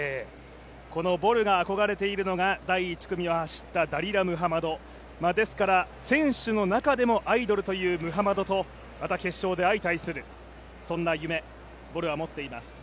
このボルが憧れているのが第１組が走ったのがダリラ・ムハマド選手の中でもアイドルであるムハマドとまた決勝で相対する、そんな夢をボルは持っています。